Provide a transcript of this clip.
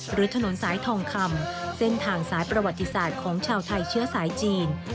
หรือถนนสายทองคำเส้นทางสายประวัติศาสตร์ของชาวไทยเชื้อสายจีน